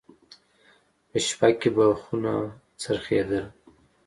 په شپه کې به خونه څرخېدل.